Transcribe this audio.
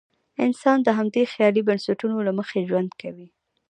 انسان د همدې خیالي بنسټونو له مخې ژوند کوي.